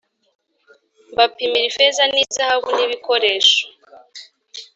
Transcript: mbapimira ifeza ni zahabu n ibikoresho